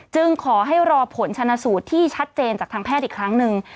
ขอให้รอผลชนะสูตรที่ชัดเจนจากทางแพทย์อีกครั้งหนึ่ง